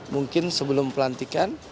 mungkin sebelum pelantikan